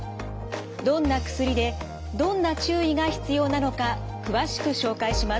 どんな薬でどんな注意が必要なのか詳しく紹介します。